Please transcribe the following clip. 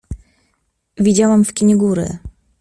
Widziałam w kinie góry.